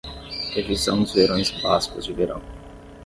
Revisão dos verões bascos de verão.